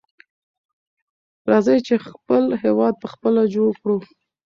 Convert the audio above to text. راځئ چې خپل هېواد په خپله جوړ کړو.